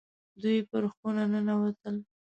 دوی پر خونه ننوتل.